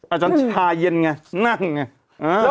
อาจารย์ชาเย็นไงนั่งไง